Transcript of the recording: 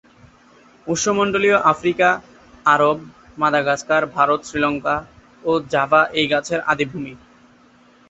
উষ্ণমণ্ডলীয় আফ্রিকা, আরব, মাদাগাস্কার, ভারত, শ্রীলঙ্কা ও জাভা এই গাছের আদি ভূমি।